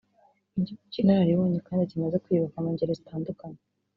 nk’igihugu cy’inararibonye kandi kimaze kwiyubaka mu ngeri zitandukanye